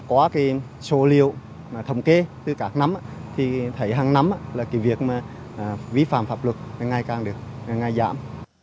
quá cái số liệu mà thống kê từ các năm thì thấy hằng năm là cái việc mà vi phạm pháp luật là ngày càng được là ngày giảm